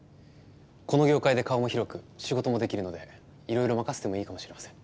この業界で顔も広く仕事もできるのでいろいろ任せてもいいかもしれません。